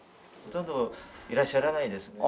ほとんどいらっしゃらないですね。